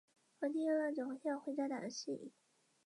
标题与登场人物的名字大多跟戏剧有关也是有意为之。